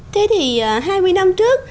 thế thì hai mươi năm trước